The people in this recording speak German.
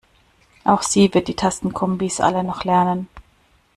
Auch sie wird die Tastenkombis alle noch lernen.